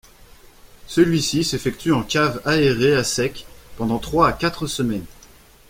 Celui-ci s'effectue en cave aérée à sec pendant trois à quatre semaines.